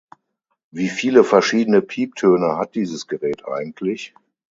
Wieviele verschiedene Pieptöne hat dieses Gerät eigentlich?